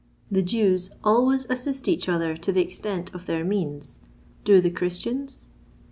The Jews always assist each other to the extent of their means:—do the Christians?